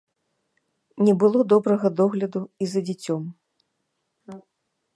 Не было добрага догляду і за дзіцём.